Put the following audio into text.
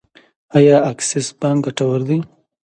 آیا اکسس بانک ګټور دی؟